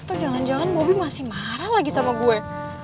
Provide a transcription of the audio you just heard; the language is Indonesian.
tuh jangan jangan bobby masih marah lagi sama gue